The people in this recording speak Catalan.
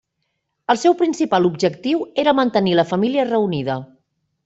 El seu principal objectiu era mantenir la família reunida.